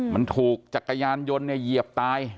มันถูกจักรยานยนต์เยียบตาย